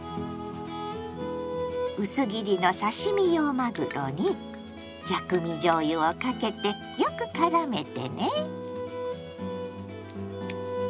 薄切りの刺身用まぐろに「薬味じょうゆ」をかけてよくからめてね。